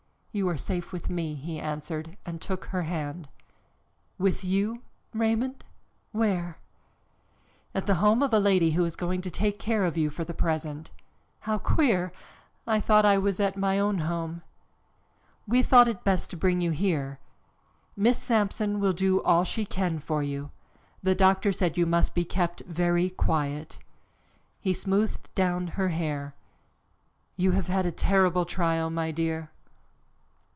"You are safe, with me," he answered and took her hand. "With you, Raymond? Where?" "At the home of a lady who is going to take care of you for the present." "How queer! I thought I was at my own home." "We thought it best to bring you here. Miss Sampson will do all she can for you. The doctor said you must be kept very quiet." He smoothed down her hair. "You have had a terrible trial, my dear."